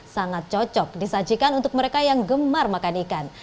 sangat cocok disajikan untuk mereka yang gemar makan ikan